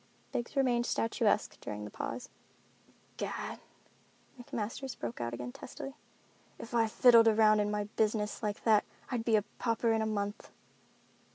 Biggs remained statuesque during the pause. "Gad," McMasters broke out again testily, "if I fiddled around in my business like that I'd be a pauper in a month."